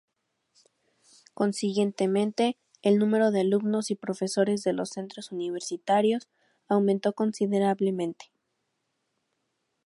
Consiguientemente, el número de alumnos y profesores de los centros universitarios aumentó considerablemente.